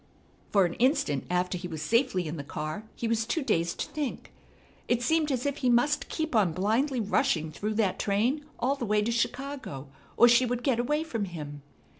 For an instant after he was safely in the car he was too dazed to think. It seemed as if he must keep on blindly rushing through that train all the way to Chicago, or she would get away from him.